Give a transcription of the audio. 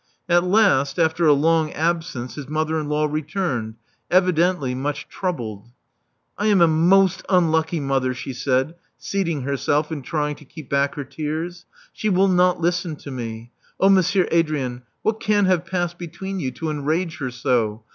At last, after a lon^ absence, his mother in law returned, evidently much troubled. •*I am a most unlucky mother," she said, seating herself, and trying to keep back her tears. She will not listen to me. Oh, Monsieur Adrien, what can luive passed between you to enrage her so?